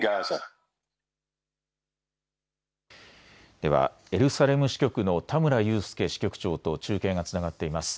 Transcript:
ではエルサレム支局の田村佑輔支局長と中継がつながっています。